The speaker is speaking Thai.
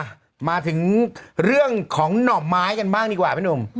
มาถึงเรื่องของหน่อไม้กันบ้างดีกว่าพี่หนุ่ม